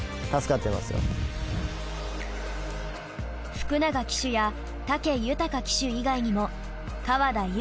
福永騎手や武豊騎手以外にも川田将